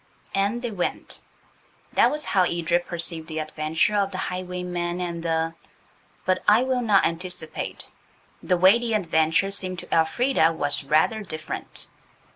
And they went. That was how Edred perceived the adventure of "The Highwayman and the —." But I will not anticipate. The way the adventure seemed to Elfrida was rather different.